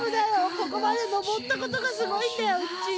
ここまで上ったことがスゴいんだようっちー。